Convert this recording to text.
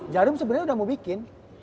jarum sebenarnya udah mau bikin